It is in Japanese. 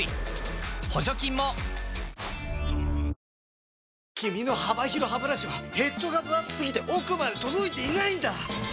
十六種類で十六茶君の幅広ハブラシはヘッドがぶ厚すぎて奥まで届いていないんだ！